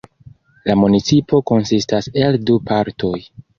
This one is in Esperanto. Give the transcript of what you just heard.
La municipo konsistas el du partoj.